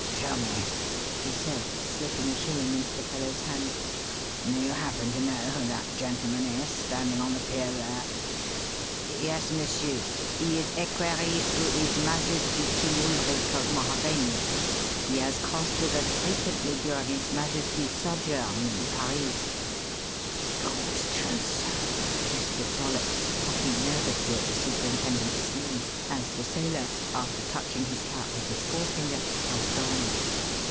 "Tell me," he said, slipping a shilling into the fellow's hand, "do you happen to know who that gentleman is, standing on the pier there?" "Yes, m'sieur. He is equerry to his Majesty King Ulric of Mauravania. He has crossed with us frequently during his Majesty's sojourn in Paris." "Gawd's truth, sir," whispered Dollops, plucking nervously at the superintendent's sleeve as the sailor, after touching his cap with his forefinger, passed on.